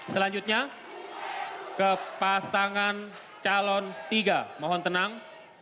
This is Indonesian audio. selanjutnya ke pasangan calon tiga mohon tenang